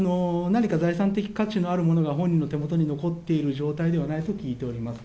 何か財産的価値のあるものが本人の手元に残っている状態ではないと聞いております。